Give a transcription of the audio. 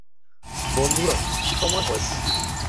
বন্ধুরা, সময় হয়েছে।